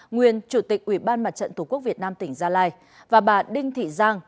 nguyên chủ tịch ủy ban mặt trận tổ quốc việt nam tỉnh gia lai và bà đinh thị giang